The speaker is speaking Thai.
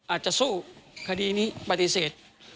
อาจจะสู้คดีนี้ปฏิเสธ